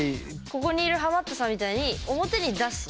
ここにいるハマったさんみたいに、表に出す。